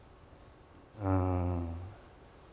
うん。